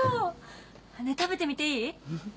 食べてみていい？